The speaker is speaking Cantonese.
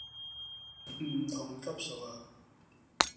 唔同級數呀